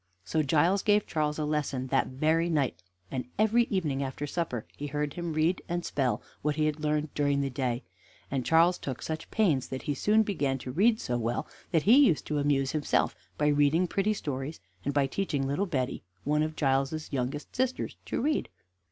So Giles gave Charles a lesson that very night, and every evening after supper he heard him read and spell what he had learned during the day, and Charles took such pains that he soon began to read so well that he used to amuse himself by reading pretty stories, and by teaching little Betty, one of Giles's youngest sisters, to read.